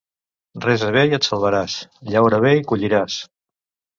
Resa bé i et salvaràs, llaura bé i colliràs.